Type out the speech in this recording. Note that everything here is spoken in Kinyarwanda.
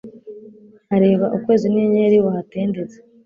nkareba ukwezi n’inyenyeri wahatendetse